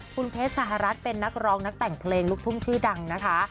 คุณเพชรสหรัฐเป็นนักร้องนักแต่งเพลงลูกทุ่งชื่อดังนะคะ